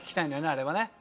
あれはね。